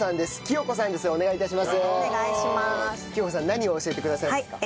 聖子さん何を教えてくださいますか？